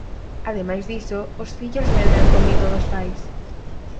Ademais diso, os fillos medran co mito dos pais.